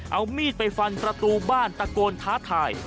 เอามีดไปฟันประตูบ้านตะโกนท้าทาย